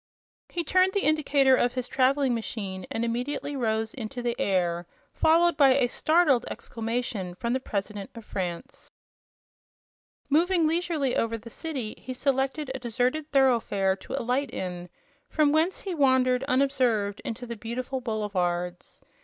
He turned the indicator of his traveling machine and immediately rose into the air, followed by a startled exclamation from the President of France. Moving leisurely over the city, he selected a deserted thoroughfare to alight in, from whence he wandered unobserved into the beautiful boulevards.